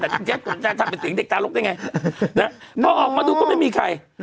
ทำเป็นเสียงเด็กทารกได้ไงพอออกมาดูก็ไม่มีใคร